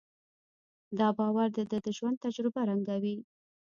دا باور د ده د ژوند تجربه رنګوي.